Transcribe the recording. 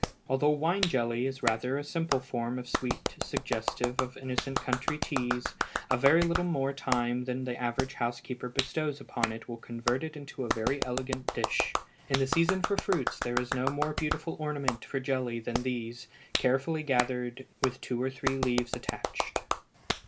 Although wine jelly is rather a simple form of sweet, suggestive of innocent country teas, a very little more time than the average housekeeper bestows upon it will convert it into a very elegant dish. In the season for fruits there is no more beautiful ornament for jelly than these, carefully gathered, with two or three leaves attached.